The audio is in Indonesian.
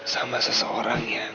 sama seseorang yang